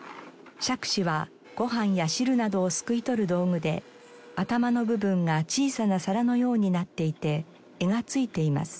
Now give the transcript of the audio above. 杓子はご飯や汁などをすくい取る道具で頭の部分が小さな皿のようになっていて柄が付いています。